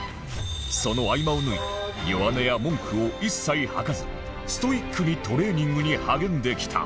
その合間を縫い弱音や文句を一切吐かずストイックにトレーニングに励んできた